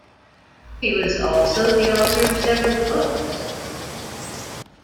He was also the author of several books.